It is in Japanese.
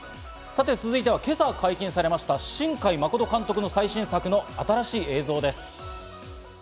さて続いては今朝解禁されました新海誠監督の最新作の新しい映像です。